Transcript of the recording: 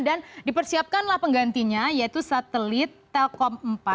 dan dipersiapkanlah penggantinya yaitu satelit telkom empat